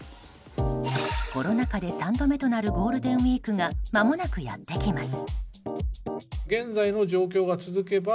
コロナ禍で３度目となるゴールデンウィークがまもなく、やってきます。